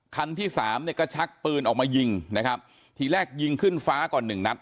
คันที่สามเนี่ยก็ชักปืนออกมายิงนะครับทีแรกยิงขึ้นฟ้าก่อนหนึ่งนัด